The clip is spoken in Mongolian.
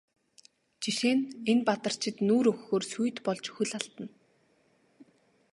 Жишээ нь энэ Бадарчид нүүр өгөхөөр сүйд болж хөл алдана.